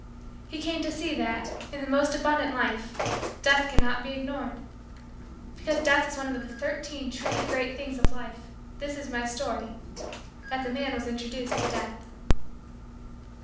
He came to see that, in the most abundant life, Death cannot be ignored. Because Death is one of the Thirteen Truly Great Things of Life, this is my story: that the man was introduced to Death.